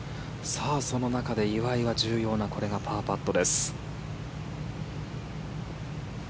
そんな中で岩井は重要なパーパットです。